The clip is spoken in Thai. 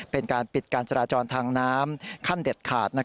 เป็นการปิดการจราจรทางน้ำขั้นเด็ดขาด